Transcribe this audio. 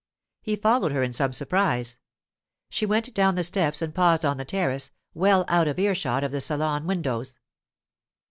He followed her in some surprise. She went down the steps and paused on the terrace, well out of ear shot of the salon windows.